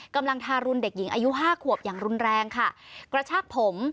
ทารุณเด็กหญิงอายุห้าขวบอย่างรุนแรงค่ะกระชากผม